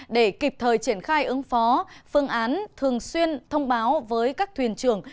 để kịp thời triển khai ứng phó phương án thường xuyên thông báo với các thuyền trưởng